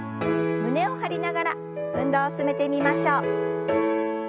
胸を張りながら運動を進めてみましょう。